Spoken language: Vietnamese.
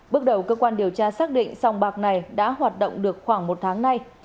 bước đầu cơ quan điều tra xác định sông bạc này đã hoạt động được khoảng một tháng nay